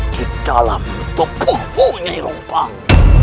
di dalam kepuk puk nyirumpang